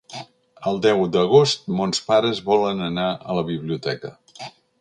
El deu d'agost mons pares volen anar a la biblioteca.